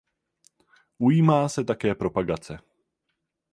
Ujímá se také propagace.